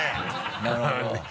なるほど。